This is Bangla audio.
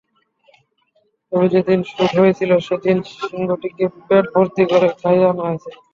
তবে যেদিন শুট হয়েছিল সেদিন সিংহটিকে পেটভর্তি করে খাইয়ে আনা হয়েছিল।